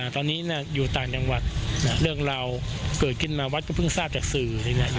ตอนนี้อยู่ต่างจังหวัดเรื่องราวเกิดขึ้นมาวัดก็เพิ่งทราบจากสื่อ